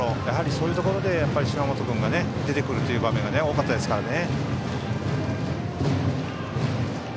そういうところで芝本君が出てくる場面が多かったですからね。